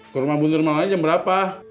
ke rumah bunda malangnya jam berapa